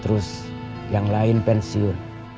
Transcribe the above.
terus yang lain pensiun